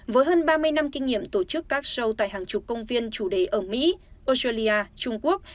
với hơn ba mươi năm kinh nghiệm tổ chức caphow tại hàng chục công viên chủ đề ở mỹ australia trung quốc